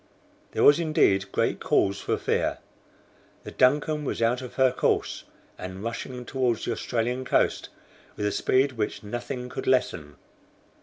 There was, indeed, great cause for fear. The DUNCAN was out of her course, and rushing toward the Australian coast with a speed which nothing could lessen.